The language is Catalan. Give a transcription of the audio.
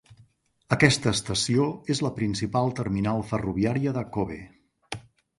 Aquesta estació és la principal terminal ferroviària de Kobe.